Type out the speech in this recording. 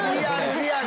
リアル！